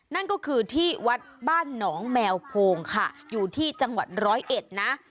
นั่นก็คือที่วัดบ้านหนองแมวโพงค่ะอยู่ที่จังหวัดร้อยเอ็ดนะ